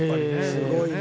すごいな。